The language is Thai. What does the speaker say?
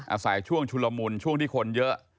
อาศัยช่วงชุลมุนช่วงที่คนเยอะ